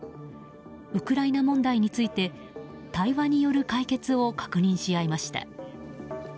ウクライナ問題について対話による解決を確認し合いました。